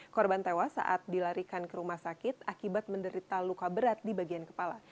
korban tewas saat dilarikan ke rumah sakit akibat menderita luka berat di bagian kepala